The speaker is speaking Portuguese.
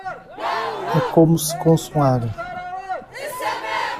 É como se consolar.